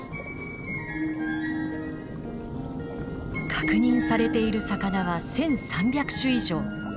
確認されている魚は１，３００種以上。